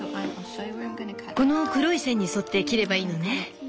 この黒い線に沿って切ればいいのね。